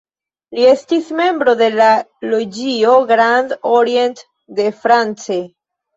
Li estis membro de la loĝio "Grand Orient de France".